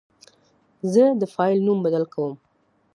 زه د فایل نوم بدل کوم.